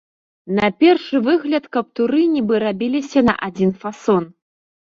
На першы выгляд каптуры нібы рабіліся на адзін фасон.